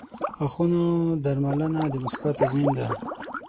• د غاښونو درملنه د مسکا تضمین ده.